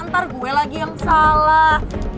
ntar gue lagi yang salah